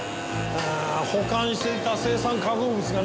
保管していた青酸化合物が盗まれた。